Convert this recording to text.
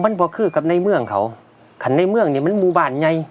มันพอคือกับในเมืองเขาขันในเมืองเนี่ยมันหมู่บ้านไง